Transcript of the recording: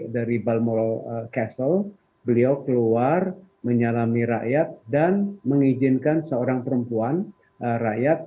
dari balmolo castle beliau keluar menyalami rakyat dan mengizinkan seorang perempuan rakyat